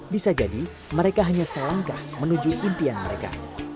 bisa jadi mereka hanya selangkah menuju impian mereka